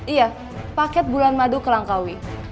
iya paket bulan madu kerangkawi